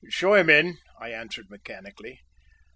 "Show him in," I answered mechanically.